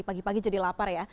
pagi pagi jadi lapar ya